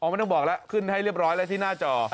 ไม่ต้องบอกแล้วขึ้นให้เรียบร้อยแล้วที่หน้าจอ